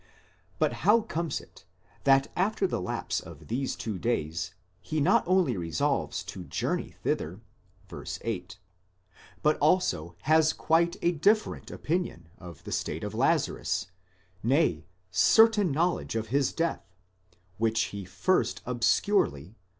But how comes it that after the lapse of these twe days, he not only resolves to journey thither (v. 8), but also has quite a different opinion of the state of Lazarus, nay, certain knowledge of his death, which he first obscurely (v.